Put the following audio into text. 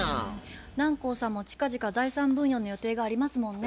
南光さんも近々財産分与の予定がありますもんね。